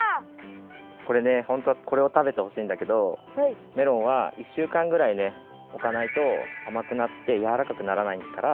これねホントはこれを食べてほしいんだけどメロンは１週間ぐらいねおかないとあまくなってやわらかくならないから。